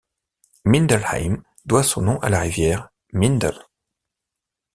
Mindelheim doit son nom à la rivière Mindel.